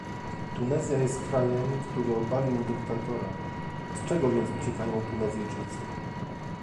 Tunezja jest krajem, który obalił dyktatora, od czego więc uciekają Tunezyjczycy?